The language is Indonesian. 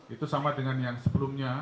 itu sama dengan yang sebelumnya